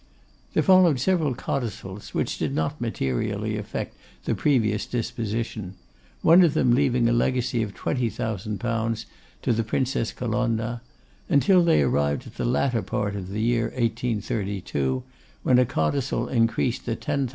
There followed several codicils which did not materially affect the previous disposition; one of them leaving a legacy of 20,000_l._ to the Princess Colonna; until they arrived at the latter part of the year 1832, when a codicil increased the 10,000_l.